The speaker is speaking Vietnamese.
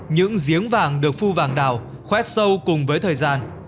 những giếng vàng được phu vàng đào khoét sâu cùng với thời gian